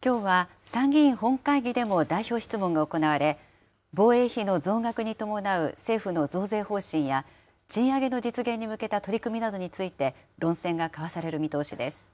きょうは参議院本会議でも代表質問が行われ、防衛費の増額に伴う政府の増税方針や、賃上げの実現に向けた取り組みなどについて、論戦が交わされる見通しです。